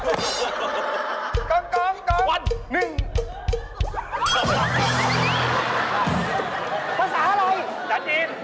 โอกาสล่ะพ่อไหมสวัสดีพ่อ